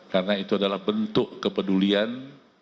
karena itu adalah bentuk kepedulian